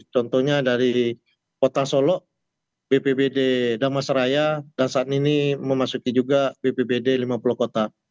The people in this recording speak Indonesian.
contohnya dari kota solo bpbd damas raya dan saat ini memasuki juga bpbd lima puluh kota